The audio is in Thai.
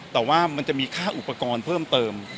แต่ว่ามันจะมีค่าอุปกรณ์เพิ่มเติม